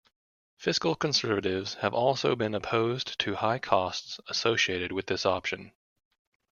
Fiscal conservatives have also been opposed to high costs associated with this option.